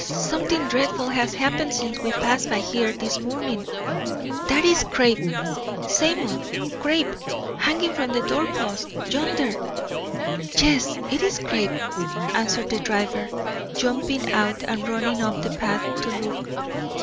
Something dreadful has happened since we passed by here this morning. That is crape, Samuel, crape, hanging from the doorpost yonder!" "Yes, it is crape," answered the driver, jumping out and running up the path to look.